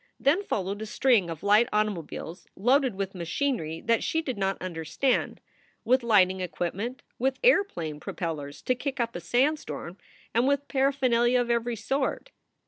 Then followed a string of light automobiles loaded with machinery that she did not understand, with lighting equip ment, with airplane propellers to kick up a sandstorm, and with paraphernalia of every sort.